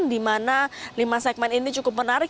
di mana lima segmen ini cukup menarik